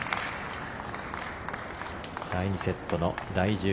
第２セットの第１０